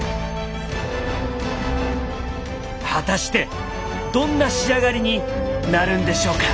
果たしてどんな仕上がりになるんでしょうか。